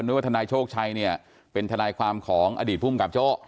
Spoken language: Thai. ว่าทนายโชคชัยเนี่ยเป็นทนายความของอดีตภูมิกับโจ้